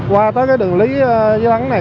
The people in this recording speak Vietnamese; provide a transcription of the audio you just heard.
qua tới đường lý văn này